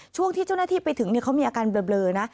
ช่วงที่เจ้าหน้าที่ไปถึงเขามีอาการเบลอนะ